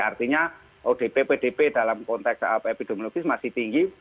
artinya odp pdp dalam konteks epidemiologis masih tinggi